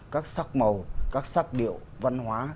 các sắc màu các sắc điệu văn hóa